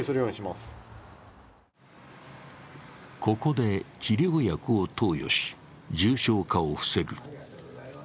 ここで治療薬を投与し重症化を防ぐ。